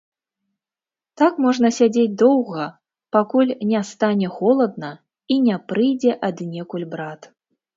Так можна сядзець доўга, пакуль не стане холадна і не прыйдзе аднекуль брат.